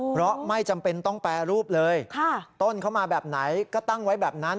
เพราะไม่จำเป็นต้องแปรรูปเลยต้นเข้ามาแบบไหนก็ตั้งไว้แบบนั้น